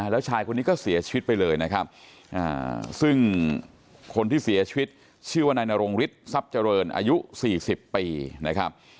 แล้วชายคนนี้ก็เสียชีวิตไปเลยนะครับซึ่งคนที่เสียชีวิตชื่อว่านายนรงฤทธิทรัพย์เจริญอายุ๔๐ปีนะครับ